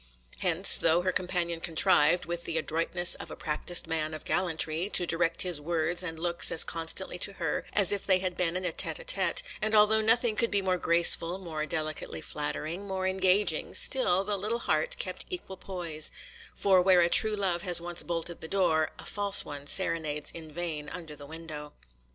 Hence, though her companion contrived, with the adroitness of a practised man of gallantry, to direct his words and looks as constantly to her as if they had been in a tête à tête, and although nothing could be more graceful, more delicately flattering, more engaging, still the little heart kept equal poise; for where a true love has once bolted the door, a false one serenades in vain under the window.